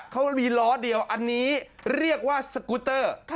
เขามีล้อเดียวอันนี้เรียกว่าสกูเตอร์